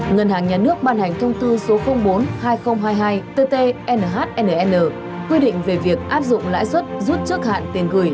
ngân hàng nhà nước ban hành thông tư số bốn hai nghìn hai mươi hai tt nhnn quy định về việc áp dụng lãi suất rút trước hạn tiền gửi